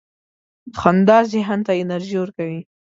• خندا ذهن ته انرژي ورکوي.